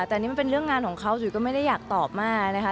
แต่อันนี้มันเป็นเรื่องงานของเขาจุ๋ยก็ไม่ได้อยากตอบมากนะคะ